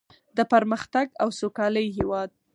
د پرمختګ او سوکالۍ هیواد.